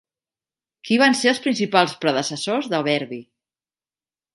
Qui van ser els principals predecessors de Verdi?